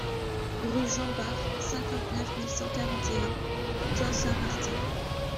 Rue Jean Bar, cinquante-neuf mille cent quarante et un Thun-Saint-Martin